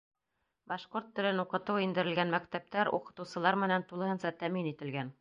Башҡорт телен уҡытыу индерелгән мәктәптәр уҡытыусылар менән тулыһынса тәьмин ителгән.